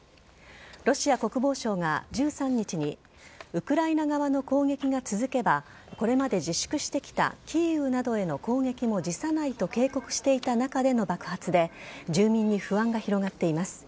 ロシア国防省が１３日にウクライナ側の攻撃が続けばこれまで自粛してきたキーウなどへの攻撃も辞さないと警告していた中での爆発で住民に不安が広がっています。